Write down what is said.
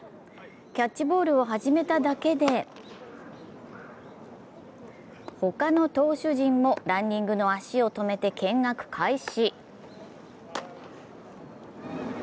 キャッチボールを始めただけでほかの投手陣もランニングの足を止めて見学開始。